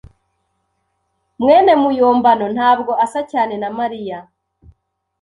mwene muyombano ntabwo asa cyane na Mariya.